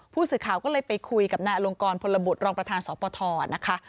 ผู้สื่อข่าวก็เลยไปคุยกับนายอลงกรพลบุตรรองประธานสปทนะคะ